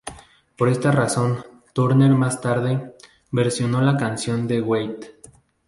Por esa razón, Turner más tarde, versionó la canción de Waite.